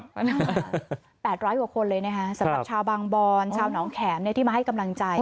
๘๐๐กว่าคนเลยนะคะสำหรับชาวบางบอนชาวหนองแขมที่มาให้กำลังใจ